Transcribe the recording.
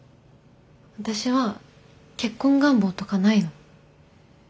私は結婚願望とかないの。